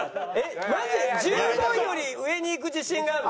１５位より上にいく自信があるの？